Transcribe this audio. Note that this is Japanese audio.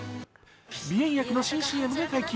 鼻炎薬の新ＣＭが解禁。